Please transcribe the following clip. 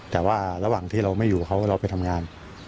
แต่ว่าระหว่างที่เราไม่อยู่เขาก็เราไปทำงาน